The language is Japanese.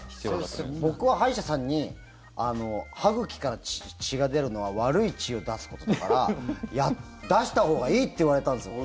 先生、僕は歯医者さんに歯茎から血が出るのは悪い血を出すことだから出したほうがいいって言われたんですよ。